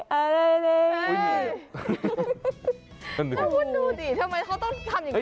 แล้วคุณดูดิทำไมเขาต้องทำอย่างนี้